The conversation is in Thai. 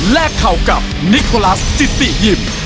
เข่ากับนิโคลัสจิติยิม